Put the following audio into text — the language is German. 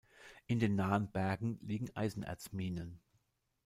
In den nahen Bergen liegen Eisenerz-Minen.